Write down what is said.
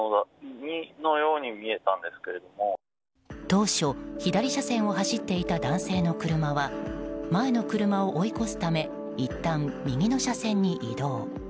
当初、左車線を走っていた男性の車は前の車を追い越すためいったん、右の車線に移動。